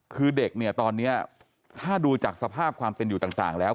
คือเด็กเนี่ยตอนนี้ถ้าดูจากสภาพความเป็นอยู่ต่างแล้ว